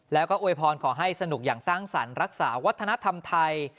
แล้วก็อวยพรขอให้สนุกอย่างสร้างสรรค์รักษาวัฒนธรรมไทย